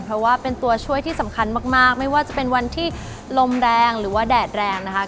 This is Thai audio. เพราะว่าเป็นตัวช่วยที่สำคัญมากไม่ว่าจะเป็นวันที่ลมแรงหรือว่าแดดแรงนะคะ